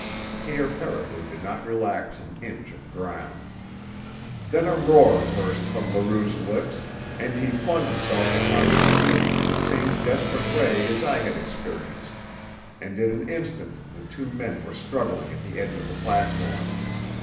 Pierre Caribou did not relax an inch of ground. Then a roar burst from Leroux's lips, and he flung himself upon the Indian in the same desperate way as I had experienced, and in an instant the two men were struggling at the edge of the platform.